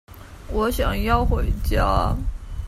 我想要回家